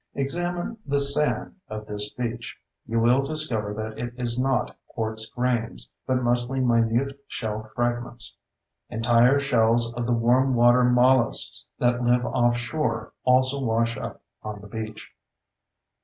Examine the "sand" of this beach. You will discover that it is not quartz grains—but mostly minute shell fragments. Entire shells of the warm water molluscs that live offshore also wash up on the beach.